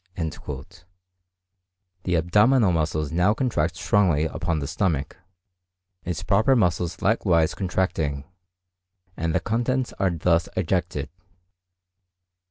The abdominal muscles now contract strongly upon the stomach, its proper muscles likewise contracting, and the contents are thus ejected.